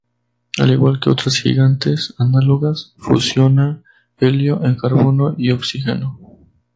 Al igual que otras gigantes análogas, fusiona helio en carbono y oxígeno.